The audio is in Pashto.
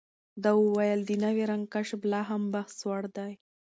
ده وویل، د نوي رنګ کشف لا هم بحثوړ دی.